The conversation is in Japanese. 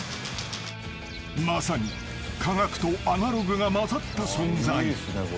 ［まさに科学とアナログが交ざった存在］